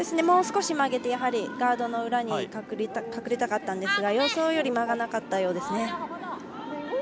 もう少し曲げてガードの裏に隠れたかったんですが予想よりも間がなかったようですね。